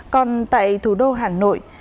còn tại thủ đô hà nội